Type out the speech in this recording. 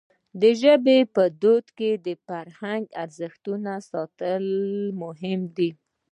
د ژبې په وده کې د فرهنګي ارزښتونو ساتل مهم دي.